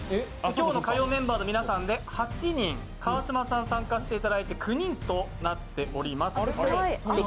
今日の火曜メンバーの皆さんで８人、川島さん参加していただいて、９人となっております。